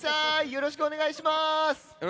よろしくお願いします。